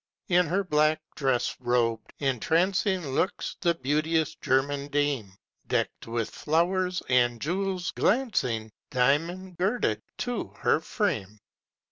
In her black dress robed, entrancing Looks the beauteous German dame, Deck'd with flow'rs and jewels glancing, Diamond girded, too, her frame.